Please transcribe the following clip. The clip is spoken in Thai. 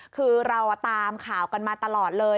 คือเราตามข่าวกันมาตลอดเลย